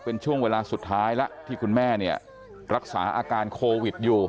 เป็นช่วงเวลาสุดท้ายแล้วที่คุณแม่เนี่ยรักษาอาการโควิดอยู่